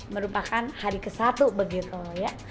merupakan hari ke satu begitu ya